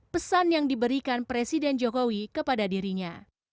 pesan yang diberikan presiden jokowi kepada dirinya